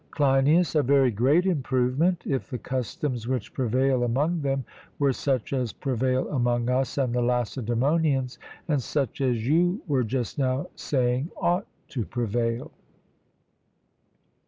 CLEINIAS: A very great improvement, if the customs which prevail among them were such as prevail among us and the Lacedaemonians, and such as you were just now saying ought to prevail.